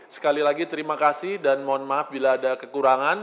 sekali lagi terima kasih dan mohon maaf bila ada kekurangan